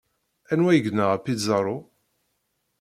Anwa ay yenɣa Pizarro?